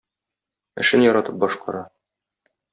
Эшен яратып башкара.